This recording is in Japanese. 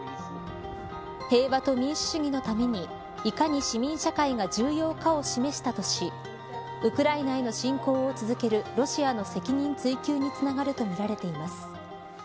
平和と民主主義のためにいかに市民社会が重要かを示したとしウクライナへの進攻を続けるロシアの責任追及につながるとみられています。